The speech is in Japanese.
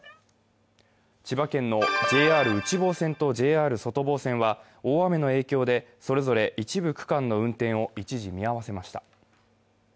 千葉県のＪＲ内房線とＪＲ外房線は大雨の影響でそれぞれ一部区間の運転を一時見合わせました。